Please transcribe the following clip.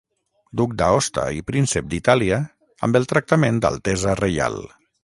Duc d'Aosta i Príncep d'Itàlia amb el tractament d'altesa reial.